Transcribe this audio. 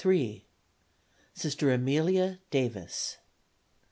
Sister Amelia Davis.